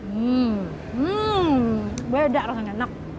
hmm hmm beda rasanya